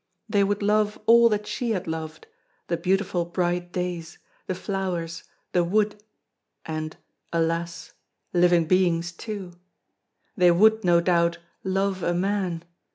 They would love all that she had loved, the beautiful bright days, the flowers, the wood, and alas! living beings too! They would, no doubt, love a man!